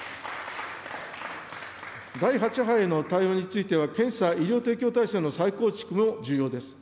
第８波への対応については、検査、医療提供体制の再構築も重要です。